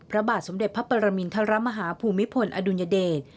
พระบาทสมเด็จพระปรมินทรมาฮาภูมิพลอดุลยเดช